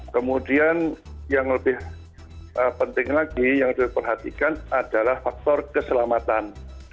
kemudian yang lebih penting lagi yang harus diperhatikan adalah faktor keselamatan